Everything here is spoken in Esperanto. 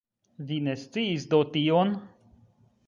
Vi ne sciis do tion?